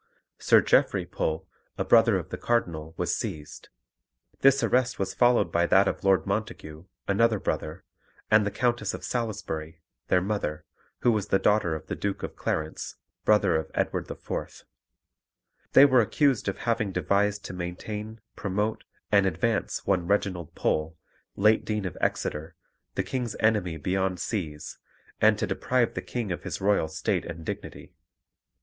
Sir Geoffrey Pole, a brother of the cardinal, was seized; this arrest was followed by that of Lord Montague, another brother, and the Countess of Salisbury, their mother, who was the daughter of the Duke of Clarence, brother of Edward IV. They were accused of having devised to maintain, promote, and advance one Reginald Pole, late Dean of Exeter, the King's enemy beyond seas, and to deprive the King of his royal state and dignity.